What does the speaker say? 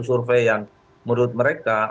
survey yang menurut mereka